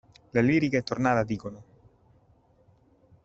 La lirica è tornata dicono.